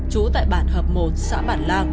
trú tại bản hợp một xã bản lang